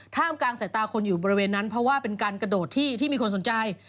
กลางสายตาคนอยู่บริเวณนั้นเพราะว่าเป็นการกระโดดที่มีคนสนใจ